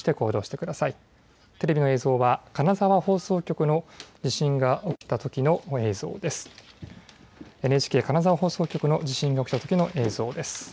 テレビの映像は金沢放送局の地震が起きたときの映像です。